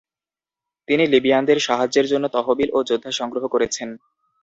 তিনি লিবিয়ানদের সাহায্যের জন্য তহবিল ও যোদ্ধা সংগ্রহ করেছেন।